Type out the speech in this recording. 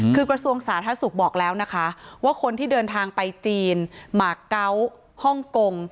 คือกระทรวงสาธารณสุขบอกแล้วนะคะว่าคนที่เดินทางไปจีนหมากเกาะฮ่องกง